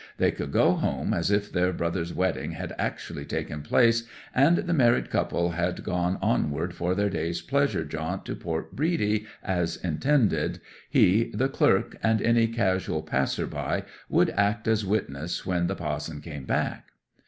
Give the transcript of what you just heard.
They could go home as if their brother's wedding had actually taken place and the married couple had gone onward for their day's pleasure jaunt to Port Bredy as intended, he, the clerk, and any casual passer by would act as witnesses when the pa'son came back.